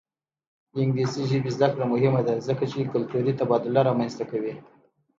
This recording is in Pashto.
د انګلیسي ژبې زده کړه مهمه ده ځکه چې کلتوري تبادله رامنځته کوي.